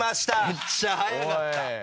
めっちゃ速かった。